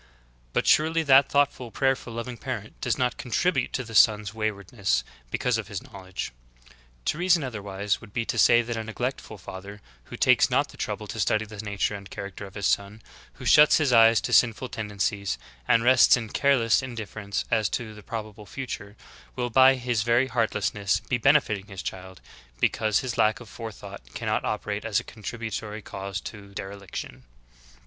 ] But surely that thoughtful, prayerful, loving parent doe"s^ not contribute to the son's wayward ness because of his knowledge. To reason otherwise would be to say that a neglectful father, who takes not the trouble to study the nature and character of his son, who shuts his eyes to sinful tendencies, and rests in careless indifference as to the probable future, will by his very heartlessness be benefitting his child, because his lack of forethought cannot operate as a contributory cause to dereliction.